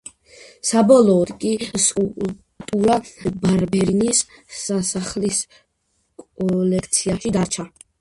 საბოლოოოდ კი სკულპტურა ბარბერინის სასახლის კოლექციაში დარჩა.